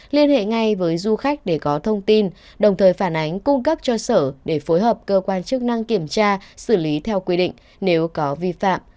liên hệ ngay với du khách để có thông tin đồng thời phản ánh cung cấp cho sở để phối hợp cơ quan chức năng kiểm tra xử lý theo quy định nếu có vi phạm